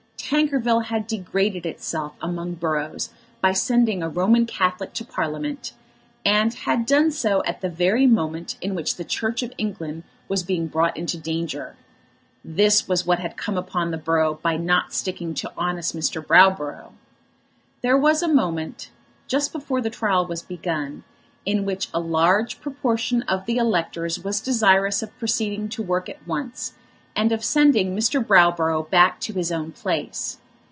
Tankerville had degraded itself among boroughs by sending a Roman Catholic to Parliament, and had done so at the very moment in which the Church of England was being brought into danger. This was what had come upon the borough by not sticking to honest Mr. Browborough! There was a moment, just before the trial was begun, in which a large proportion of the electors was desirous of proceeding to work at once, and of sending Mr. Browborough back to his own place.